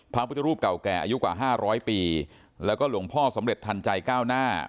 พระพุทธรูปเก่าแก่อายุกว่า๕๐๐ปีแล้วก็หลวงพ่อสำเร็จทันใจก้าวหน้า